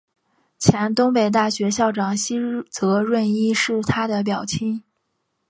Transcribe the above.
前东北大学校长西泽润一是他的表亲。